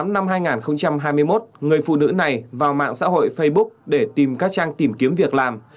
năm hai nghìn hai mươi một người phụ nữ này vào mạng xã hội facebook để tìm các trang tìm kiếm việc làm